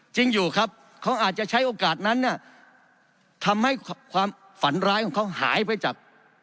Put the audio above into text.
จริงอยู่ครับเขาอาจจะใช้โอกาสนั้นเนี่ยทำให้ความฝันร้ายของเขาหายไปจาก